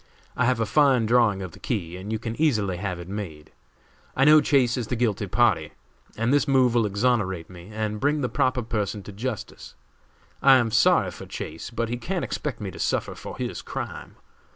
I have a fine drawing of the key and you can easily have it made. I know Chase is the guilty party, and this move will exonerate me and bring the proper person to justice. I am sorry for Chase, but he can't expect me to suffer for his crime.